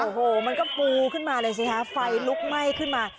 โอ้โหมันก็ปูขึ้นมาเลยสิฮะไฟลุกไหม้ขึ้นมา